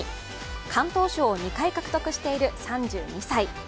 敢闘賞を２回獲得している３２歳。